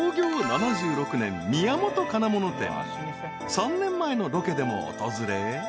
［３年前のロケでも訪れ］